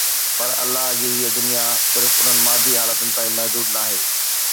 پر الله جي هيءَ دنيا صرف انهن مادي حالتن تائين محدود ناهي